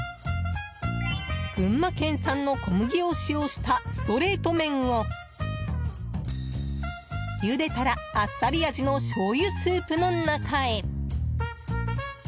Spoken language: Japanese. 群馬県産の小麦を使用したストレート麺をゆでたらあっさり味のしょうゆスープの中へ。